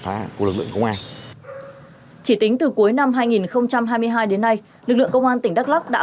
phá hàng của lực lượng công an chỉ tính từ cuối năm hai nghìn hai mươi hai đến nay lực lượng công an tỉnh đắk lắc đã